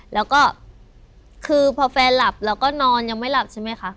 แล้วก็คือพอแฟนหลับเราก็นอนยังไม่หลับใช่ไหมคะ